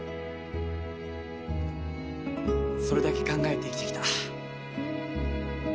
それだけ考えて生きてきた。